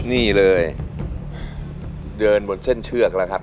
นี่เลยเดินบนเส้นเชือกแล้วครับ